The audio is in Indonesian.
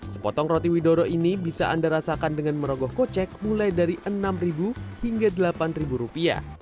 sepotong roti widoro ini bisa anda rasakan dengan merogoh kocek mulai dari rp enam hingga rp delapan